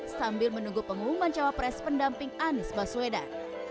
sambil menunggu pengumuman cawapres pendamping anies baswedan